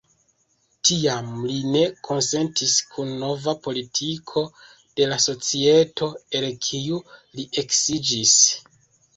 Tiam, li ne konsentis kun nova politiko de la Societo, el kiu li eksiĝis.